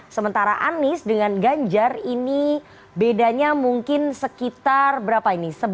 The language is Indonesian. sementara anies dengan ganjar ini bedanya mungkin sekitar berapa ini